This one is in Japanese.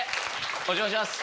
お邪魔します。